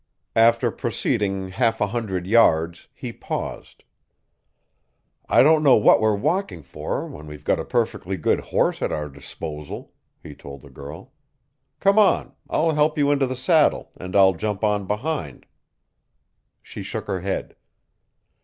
After proceeding half a hundred yards, he paused. "I don't know what we're walking for when we've got a perfectly good horse at our disposal," he told the girl. "Come on, I'll help you into the saddle and I'll jump on behind." She shook her head.